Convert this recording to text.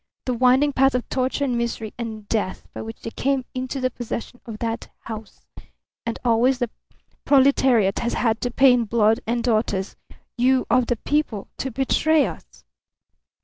The winding paths of torture and misery and death by which they came into the possession of that house! And always the proletariat has had to pay in blood and daughters. You, of the people, to betray us!"